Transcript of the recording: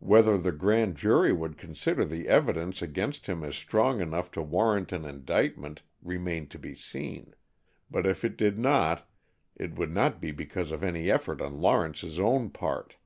Whether the Grand Jury would consider the evidence against him as strong enough to warrant an indictment remained to be seen, but if it did not, it would not be because of any efforts on Lawrence's own part.